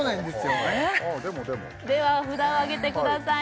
あでもでもでは札を上げてください